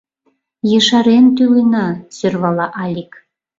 — Ешарен тӱлена... — сӧрвала Алик.